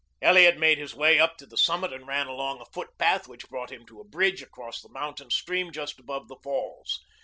Elliot made his way up to the summit and ran along a footpath which brought him to a bridge across the mountain stream just above the falls.